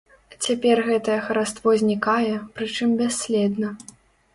Цяпер гэтае хараство знікае, прычым бясследна.